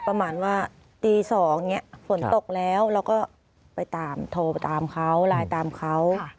ประมาณว่าตี๒ฝนตกแล้วเราก็ไปตามโทรไปตามเขาไลน์ตามเขา